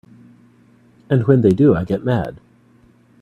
And when they do I get mad.